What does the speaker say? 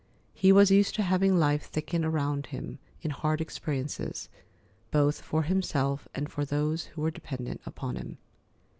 He was used to having life thicken around him in hard experiences, both for himself and for those who were dependent upon him.